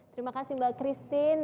terima kasih mbak christine